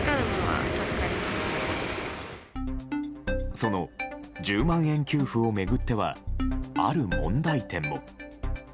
その１０万円給付を巡ってはある問題点も。